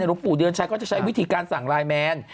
หลวงปู่เดือนชัยก็จะใช้วิธีการสั่งไลน์แมน